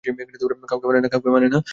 কাউকে মানে না।